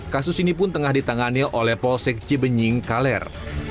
kasus ini pun tengah ditangani oleh polsek cibenying kaler